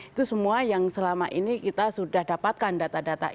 itu semua yang selama ini kita sudah dapatkan data data itu